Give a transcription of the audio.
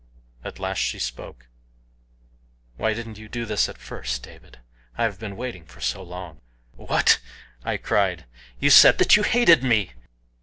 At last she spoke. "Why didn't you do this at first, David? I have been waiting so long." "What!" I cried. "You said that you hated me!"